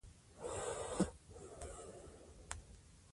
ځیرک ماشومان تر نورو زیات په لوبو کې برخه اخلي.